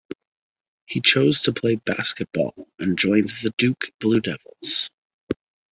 He chose to play basketball and joined the Duke Blue Devils.